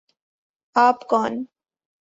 آپ کون